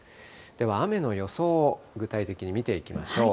では、雨の予想を具体的に見ていきましょう。